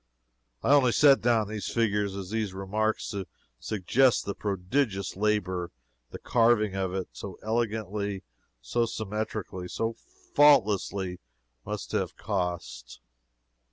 I only set down these figures and these remarks to suggest the prodigious labor the carving of it so elegantly, so symmetrically, so faultlessly, must have cost.